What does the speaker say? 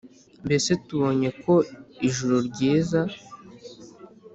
mbese tubonye ko ijuru ryiza